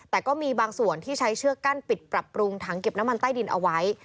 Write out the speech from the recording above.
แต่ก็มีบางส่วนที่ใช้เชือกกั้นปิดปรับปรุงถังเก็บน้ำมันใต้ดินเอาไว้